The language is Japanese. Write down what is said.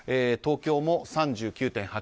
東京も３９．８％。